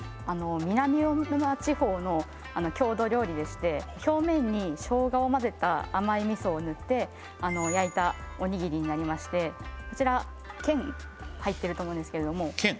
南魚沼地方の郷土料理でして表面にしょうがを混ぜた甘い味噌を塗って焼いたおにぎりになりましてこちら剣入ってると思うんですけれども剣？